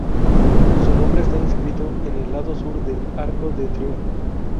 Su nombre está inscrito en el lado sur del Arco de Triunfo.